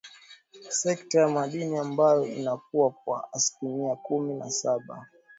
Sekta ya madini ambayo inakuwa kwa asilimia kumi na saba